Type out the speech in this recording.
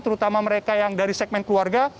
terutama mereka yang dari segmen keluarga